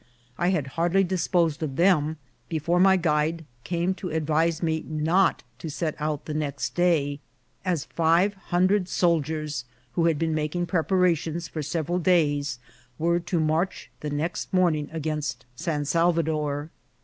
I had hardly disposed of them before my guide came to advise me not to set out the next day, as five hundred soldiers, who had been making preparations for several days, were to march the next morning against San Salvador.